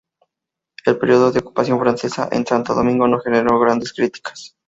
El periodo de ocupación francesa en Santo Domingo, no generó grandes críticas.